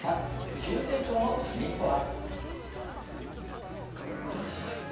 急成長の秘密とは。